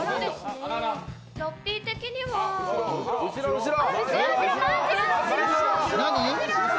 ラッピー的にはぁ後ろ後ろ！